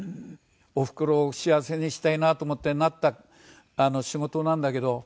おふくろを幸せにしたいなと思ってなった仕事なんだけど。